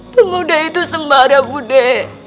pemuda itu sembarang bude